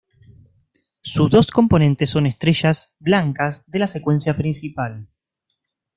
Sus dos componentes son estrellas blancas de la secuencia principal.